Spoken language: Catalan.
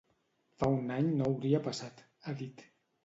Fa un any no hauria passat, ha dit.